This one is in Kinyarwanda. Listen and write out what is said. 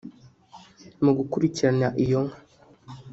Mu gukurikirana iyo inka